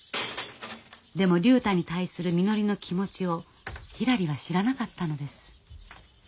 でも竜太に対するみのりの気持ちをひらりは知らなかったのです。